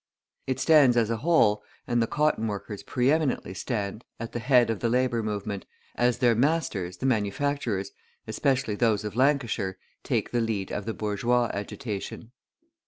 It stands as a whole, and the cotton workers pre eminently stand, at the head of the labour movement, as their masters the manufacturers, especially those of Lancashire, take the lead of the bourgeois agitation.